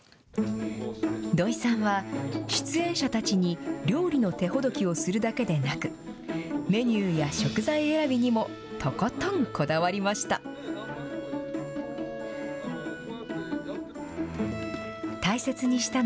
土井さんは出演者たちに料理の手ほどきをするだけでなく、メニューや食材選びにもとことんこだわりました。